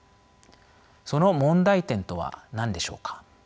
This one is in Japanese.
その問題点とは何でしょうか。